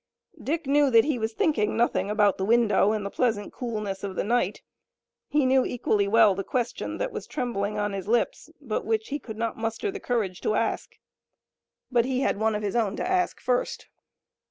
Dick knew that he was thinking nothing about the window and the pleasant coolness of the night. He knew equally well the question that was trembling on his lips but which he could not muster the courage to ask. But he had one of his own to ask first.